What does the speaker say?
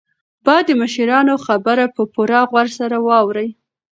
باید د مشرانو خبره په پوره غور سره واورئ.